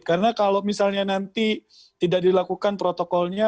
karena kalau misalnya nanti tidak dilakukan protokolnya